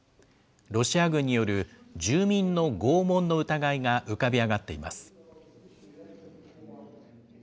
ロシア軍による住民の拷問の疑いが浮かび上がっています。